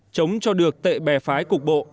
chống cho được tệ bè phái cục bộ